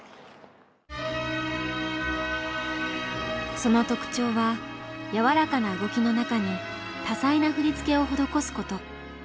その特徴は柔らかな動きの中に多彩な振り付けを施すこと。